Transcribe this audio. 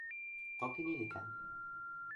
toki ni li ken.